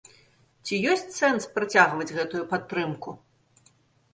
Ці ёсць сэнс працягваць гэтую падтрымку?